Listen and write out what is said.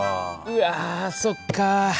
うわそっか。